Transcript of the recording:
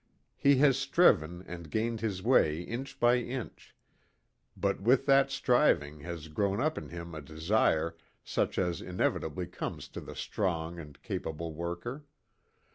He has striven, and gained his way inch by inch; but with that striving has grown up in him a desire such as inevitably comes to the strong and capable worker.